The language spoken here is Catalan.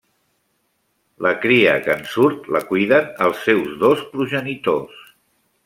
La cria que en surt la cuiden els seus dos progenitors.